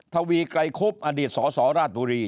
ทวีไกรคุบอดีตสสราชบุรี